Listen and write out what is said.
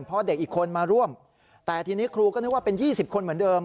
เพราะเด็กอีกคนมาร่วมแต่ทีนี้ครูก็นึกว่าเป็น๒๐คนเหมือนเดิม